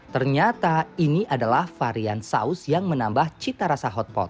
ternyata ini adalah varian saus yang menambah cita rasa hotpot